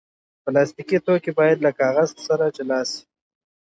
پلاستيکي توکي باید له کاغذ سره جلا شي.